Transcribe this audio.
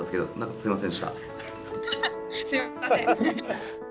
すみません。